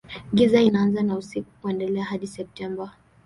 Giza inaanza na usiku huendelea hadi Septemba.